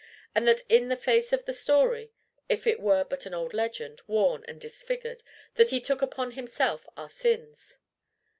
and that in the face of the story if it were but an old legend, worn and disfigured that he took upon himself our sins?"